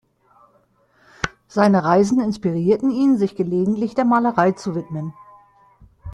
Seine Reisen inspirierten ihn, sich gelegentlich der Malerei zu widmen.